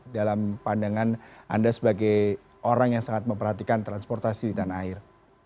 dalam pandangan anda sebagai orang yang sangat memperhatikan transportasi di tanah air